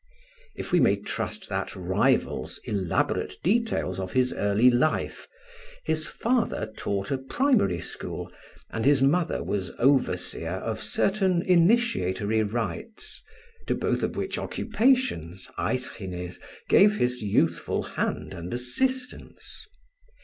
If we may trust that rival's elaborate details of his early life, his father taught a primary school and his mother was overseer of certain initiatory rites, to both of which occupations Aeschines gave his youthful hand and assistance.